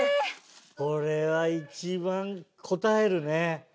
これは一番堪えるね。